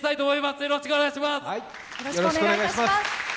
よろしくお願いします。